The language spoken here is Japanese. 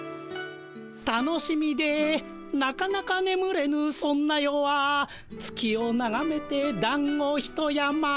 「楽しみでなかなかねむれぬそんな夜は月をながめてだんごひと山」。